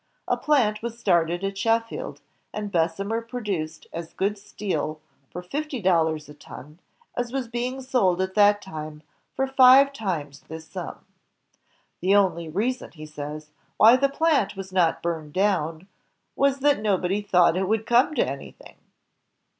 A plant was started at Sheffield, and Bessemer produced as good steel for fifty dollars a ton as was being sold at that time for five times this sum. "The only reason," he says, "why the plant was not burned down, was that nobody thought it would come to anything."